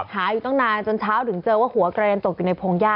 หาอยู่ตั้งนานจนเช้าถึงเจอว่าหัวกระเด็นตกอยู่ในพงหญ้า